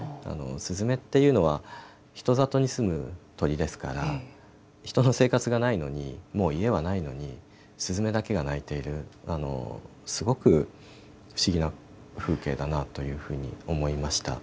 すずめっていうのは人里に住む鳥ですから人の生活がないのにもう家はないのにすずめだけが鳴いているすごく不思議な風景だなというふうに思いました。